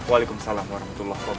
waalaikumsalam warahmatullah wabarakatuh